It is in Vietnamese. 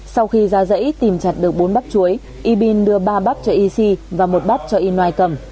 sau khi ra dãy tìm chặt được bốn bắp chuối yibin đưa ba bắp cho yixi và một bắp cho inoai cầm